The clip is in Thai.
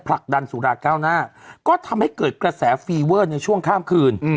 ผลักดันสุราเก้าหน้าก็ทำให้เกิดกระแสฟีเวอร์ในช่วงข้ามคืน